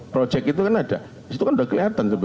proyek itu kan ada